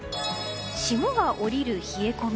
霜が降りる冷え込み。